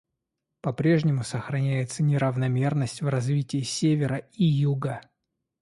По-прежнему сохраняется неравномерность в развитии Севера и Юга.